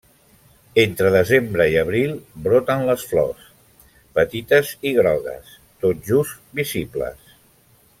Entre desembre i abril broten les flors, petites i grogues, tot just visibles.